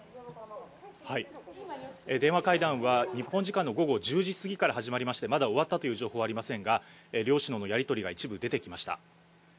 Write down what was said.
電話会談は日本時間の午後１０時過ぎから始まりましてまだ終わったという情報はありませんが両首脳のやり取りが一部、出てきました。